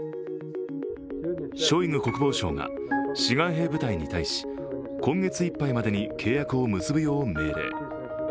ショイグ国防相が志願兵部隊に対し、今月いっぱいまでに契約を結ぶよう命令。